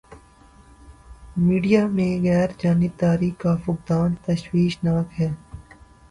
Media میں غیر جانبداری کا فقدان تشویش ناک ہے۔